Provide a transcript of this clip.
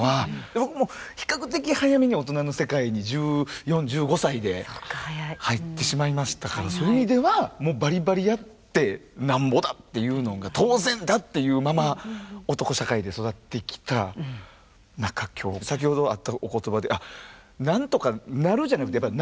僕も比較的早めに大人の世界に１４１５歳で入ってしまいましたからそういう意味ではバリバリやってなんぼだっていうのが当然だっていうまま男社会で育ってきた中今日先ほどあったお言葉でなんとかなるじゃなくてやっぱりなんとかするっていうね。